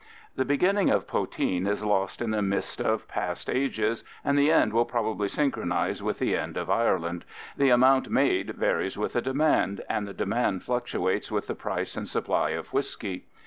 The beginning of poteen is lost in the mist of past ages, and the end will probably synchronise with the end of Ireland; the amount made varies with the demand, and the demand fluctuates with the price and supply of whisky.